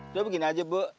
udah begini aja bu